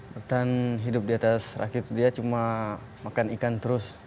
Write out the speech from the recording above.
bertahan hidup di atas rakit dia cuma makan ikan terus